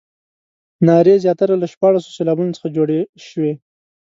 نارې زیاتره له شپاړسو سېلابونو څخه جوړې شوې.